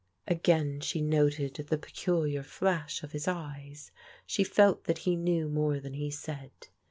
Again she noted the peculiar flash of his eyes. She felt that he knew more than he said.